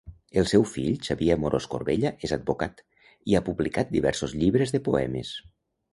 El seu fill, Xavier Amorós Corbella, és advocat, i ha publicat diversos llibres de poemes.